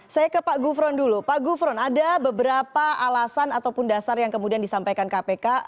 saya ke pak gufron dulu pak gufron ada beberapa alasan ataupun dasar yang kemudian disampaikan kpk